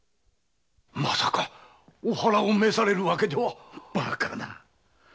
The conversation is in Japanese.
まさかお腹を召されるわけでは⁉バカな。